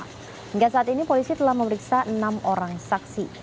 hingga saat ini polisi telah memeriksa enam orang saksi